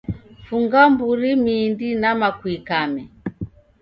Funga mburi mindi nama kuikame